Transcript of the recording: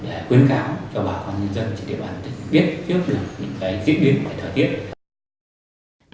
chỉ để bạn biết trước là những cái diễn biến phải thời tiết